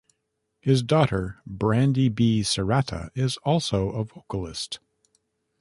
His daughter, Brandy Bee Serrata, is also a vocalist.